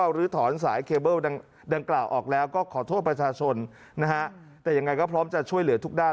หรือสายเคเบิลดังกล่าวออกแล้วอาจจะช่วยเหลือทุกด้าน